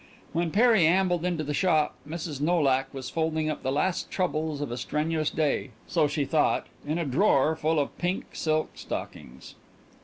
When Perry ambled into the shop Mrs. Nolak was folding up the last troubles of a strenuous day, so she thought, in a drawer full of pink silk stockings.